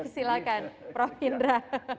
silahkan prof indra